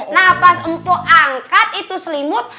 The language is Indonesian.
nah pas mpok angkat itu selimut